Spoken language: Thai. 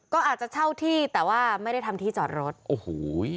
ก็อาจจะเช่าที่แต่ว่าไม่ได้ทำที่จอดรถโอ้โห